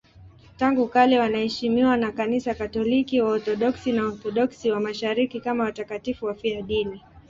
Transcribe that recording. Tangu kale wanaheshimiwa na Kanisa Katoliki, Waorthodoksi na Waorthodoksi wa Mashariki kama watakatifu wafiadini.